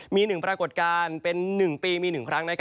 มี๑ปรากฏการณ์เป็น๑ปีมี๑ครั้ง